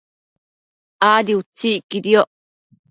Adi utsi iquidioc